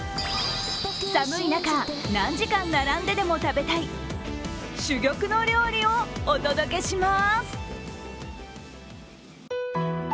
寒い中、何時間並んででも食べたい珠玉の料理をお届けします。